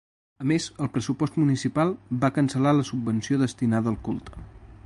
A més, el pressupost municipal va cancel·lar la subvenció destinada al culte.